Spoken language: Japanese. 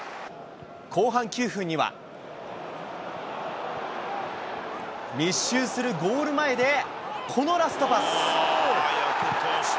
後半９分には、密集するゴール前でこのラストパス。